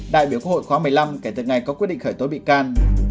đại biểu quốc hội khóa một mươi năm kể từ ngày có quyết định khởi tố bị can